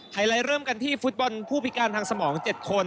ไลท์เริ่มกันที่ฟุตบอลผู้พิการทางสมอง๗คน